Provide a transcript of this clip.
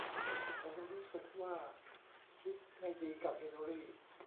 ฉันรู้สึกว่าคิดไม่ดีกับเฮนรี่